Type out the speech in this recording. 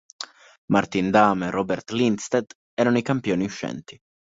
Martin Damm e Robert Lindstedt erano i campioni uscenti.